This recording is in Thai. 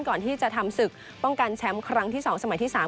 ก่อนที่จะทำศึกป้องกันแชมป์ครั้งที่๒สมัยที่๓